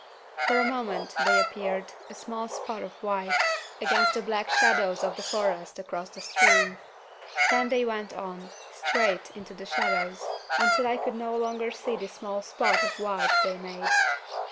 For a moment they appeared, a small spot of white, against the black shadows of the forest across the stream; then they went on, straight into the shadows, until I could no longer see this small spot of white they made.